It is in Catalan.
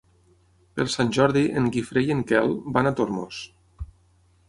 Per Sant Jordi en Guifré i en Quel van a Tormos.